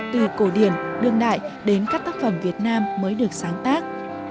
từ cổ điển đương đại đến các tác phẩm việt nam mới được sáng tác